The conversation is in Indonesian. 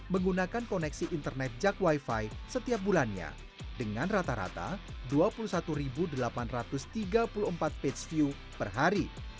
menggunakan koneksi internet jak wifi setiap bulannya dengan rata rata dua puluh satu delapan ratus tiga puluh empat page view per hari